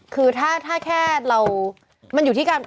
คือถ้าแค่เรามันอยู่ที่การ